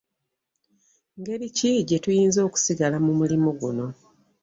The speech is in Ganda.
Ngeri ki gye tuyinza okusigala mu mulimu guno?